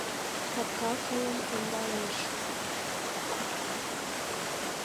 Капка кылым темдалеш.